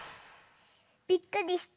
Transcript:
びっくりした？